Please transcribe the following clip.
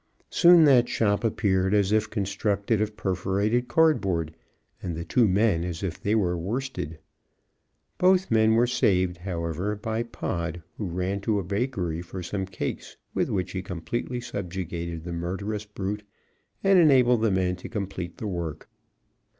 Soon that shop appeared as if constructed of perforated cardboard, and the two men as if they were worsted. Both men were saved, however, by Pod, who ran to a bakery for some cakes with which he completely subjugated the murderous brute, and enabled the men to complete the work.